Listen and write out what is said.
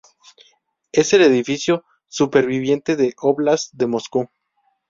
Es el edificio superviviente del óblast de Moscú.